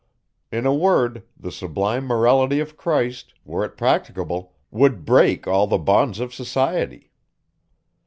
In a word, the sublime Morality of Christ, were it practicable, would break all the bonds of society.